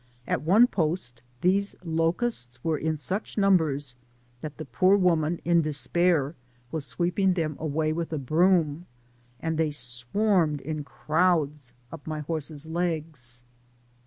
At one post these locusts were in such numbers, that the poor woman, in despair, was sweeping them away with a broom, and they swarmed in crowds up my horse's legs.